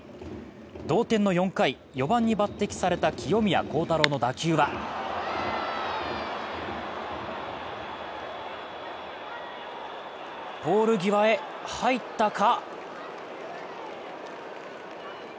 同点の４回、４番に抜てきされた清宮幸太郎の打球はポール際へ入ったか？